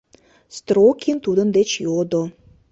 — Строкин тудын деч йодо.